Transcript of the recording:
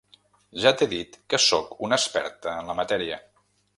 Ja t'he dit que sóc una experta en la matèria!